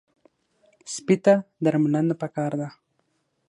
سپي ته درملنه پکار ده.